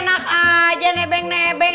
enak aja nebeng nebeng